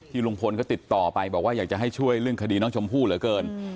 ลุงพลเขาติดต่อไปบอกว่าอยากจะให้ช่วยเรื่องคดีน้องชมพู่เหลือเกิน